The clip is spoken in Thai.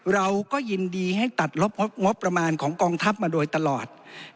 เราก็ยินดีให้ตัดลบงบประมาณของกองทัพมาโดยตลอด